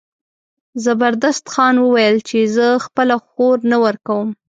زبردست خان وویل چې زه خپله خور نه ورکوم.